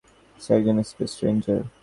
সে একজন space ranger.